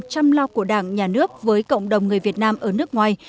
chăm lo của đảng nhà nước với cộng đồng người việt nam ở nước ngoài